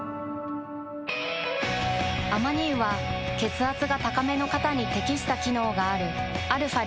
アマニ油は血圧が高めの方に適した機能があるαー